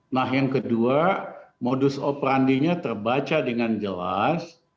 nah yang kedua modus operandinya terbaca dengan jelas